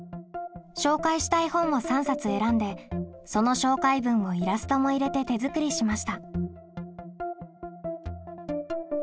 紹介したい本を３冊選んでその紹介文をイラストも入れて手作りしました。